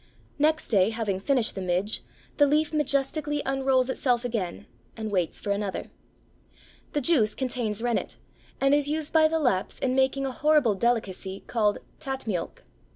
Next day, having finished the midge, the leaf majestically unrolls itself again and waits for another. The juice contains rennet, and is used by the Lapps in making a horrible delicacy called Tätmiölk.